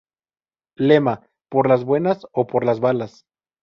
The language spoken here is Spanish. Lema: "¡Por las buenas o por las balas!